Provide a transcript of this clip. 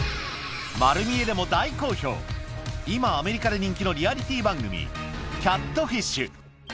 まる見えでも大好評、今、アメリカで人気のリアリティー番組、キャットフィッシュ。